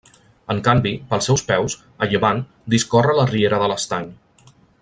En canvi, pels seus peus, a llevant, discorre la Riera de l'Estany.